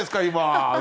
今！